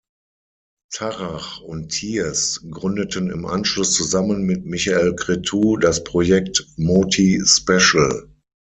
Tarrach und Thiers gründeten im Anschluss zusammen mit Michael Cretu das Projekt Moti Special.